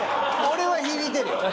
俺は響いてるよ！